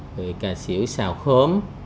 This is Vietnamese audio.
rồi cà xỉu xào khóm